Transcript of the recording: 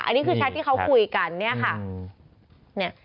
อันนี้คือแชทที่เขาคุยกันเนี่ยค่ะ